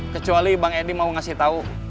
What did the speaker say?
kecuali bang edi mau ngasih tahu